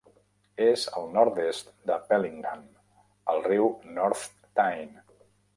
És al nord-est de Bellingham, al riu North Tyne.